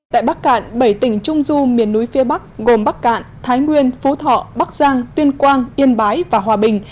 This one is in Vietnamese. tại bắc cạn bảy tỉnh trung du miền núi phía bắc gồm bắc cạn thái nguyên phú thọ bắc giang tuyên quang yên bái và hòa bình